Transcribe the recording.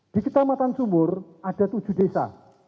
di kecamatan sumur ada tujuh desa